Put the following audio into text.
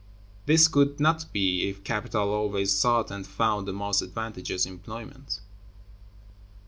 This could not be, if capital always sought and found the most advantageous employment.